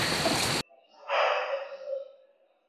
Jacob kwa haraka alijua Tetere amepewa kazi ya kumlinda Hakizemana